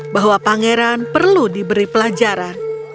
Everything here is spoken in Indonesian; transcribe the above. bahwa pangeran perlu diberi pelajaran